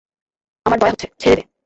আমার দয়া হচ্ছে, ছেড়ে দে।